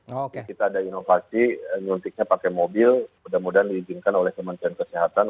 jadi kita ada inovasi nyuntiknya pakai mobil mudah mudahan diizinkan oleh kementerian kesehatan